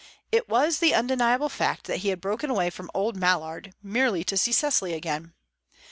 It was the undeniable fact that he had broken away from "old Mallard" merely to see Cecily again.